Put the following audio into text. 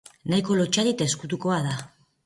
Nahiko lotsati eta ezkutua da.